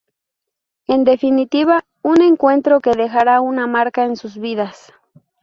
En definitiva, un encuentro que dejará una marca en sus vidas.